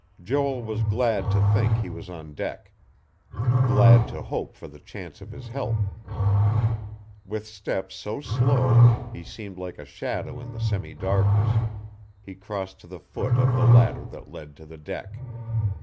Joel was glad to think he was on deck; glad to hope for the chance of his help.... With steps so slow he seemed like a shadow in the semi darkness, he crossed to the foot of the ladder that led to the deck.